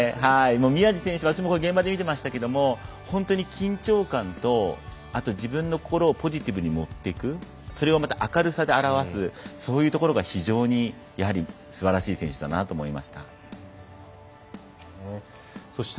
宮路選手、私も現場で見ていましたが、本当に緊張感とあと自分の心をポジティブに持っていくそれをまた明るさで表すそういうところが非常にすばらしい選手だと思いました。